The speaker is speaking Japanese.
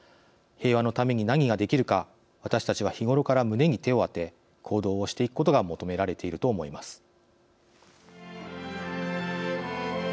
平和のために何ができるか私たちは日ごろから胸に手を当て行動をしていくことが求められていると思います。